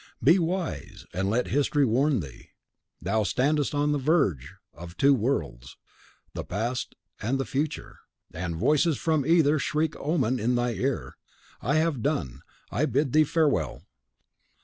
Be wise, and let history warn thee. Thou standest on the verge of two worlds, the past and the future; and voices from either shriek omen in thy ear. I have done. I bid thee farewell!"